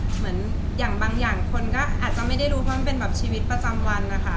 เหมือนอย่างบางอย่างคนก็อาจจะไม่ได้รู้เพราะมันเป็นแบบชีวิตประจำวันนะคะ